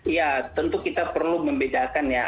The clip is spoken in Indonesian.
ya tentu kita perlu membedakan ya